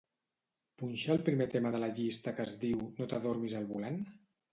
Punxa el primer tema de la llista que es diu "no t'adormis al volant"?